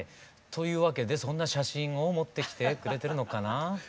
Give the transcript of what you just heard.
というわけでそんな写真を持ってきてくれてるのかな？